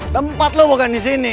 tempat lo bukan disini